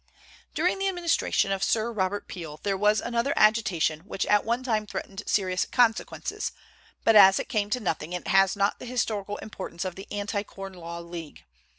During the administration of Sir Robert Peel there was another agitation which at one time threatened serious consequences, but as it came to nothing it has not the historical importance of the Anti Corn Law League.